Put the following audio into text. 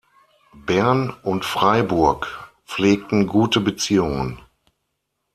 Bern und Freiburg pflegten gute Beziehungen.